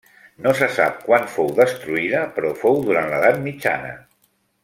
No se sap quan fou destruïda, però fou durant l'edat mitjana.